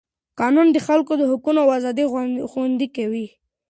قانون د خلکو حقونه او ازادۍ خوندي کوي.